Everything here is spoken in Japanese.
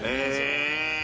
え！